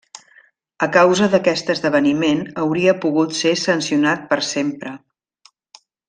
A causa d'aquest esdeveniment hauria pogut ser sancionat per sempre.